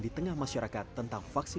di tengah masyarakat tentang vaksin